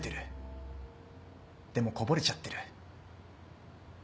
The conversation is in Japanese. でもこぼれちゃってる。